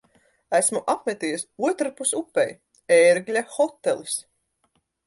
Esmu apmeties otrpus upei. "Ērgļa hotelis".